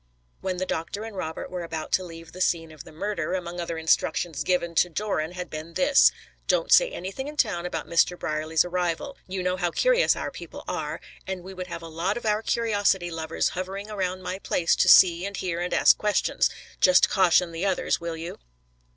When the doctor and Robert were about to leave the scene of the murder, among other instructions given to Doran had been this: "Don't say anything in town about Mr. Brierly's arrival; you know how curious our people are, and we would have a lot of our curiosity lovers hovering around my place to see and hear and ask questions. Just caution the others, will you?"